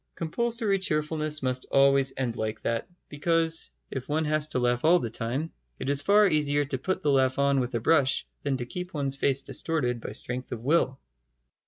Compulsory cheerfulness must always end like that, because, if one has to laugh all the time, it is far easier to put the laugh on with a brush than to keep one's face distorted by strength of will.